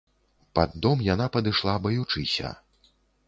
Пад дом яна падышла баючыся.